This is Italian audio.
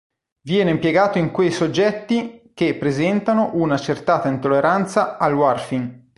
Viene impiegato in quei soggetti che presentano una accertata intolleranza al warfarin.